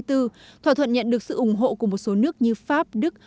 thỏa thuận nhận được sự ủng hộ của một số nước như pháp đức